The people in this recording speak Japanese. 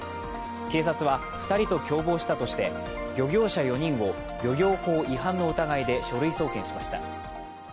警察は２人と共謀したとして漁業者４人を漁業法違反の疑いで書類送検しました。